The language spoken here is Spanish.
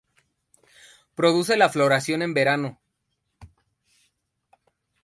Produce la floración en verano.